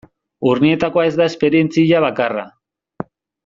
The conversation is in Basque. Urnietakoa ez da esperientzia bakarra.